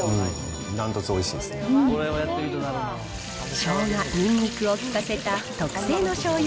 うん、しょうが、にんにくを効かせた特製のしょうゆ